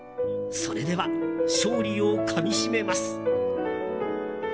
それでは勝利をかみしめます。